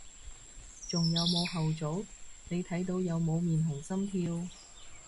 仲有冇後續，你睇到有冇面紅心跳？